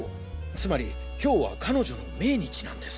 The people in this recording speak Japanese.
つまり今日は彼女の命日なんです。